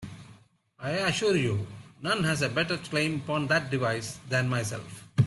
I assure you, none has a better claim upon that device than myself.